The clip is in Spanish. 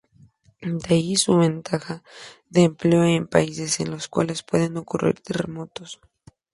De allí su ventaja de empleo en países en los cuales pueden ocurrir terremotos.